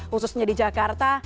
khususnya di jakarta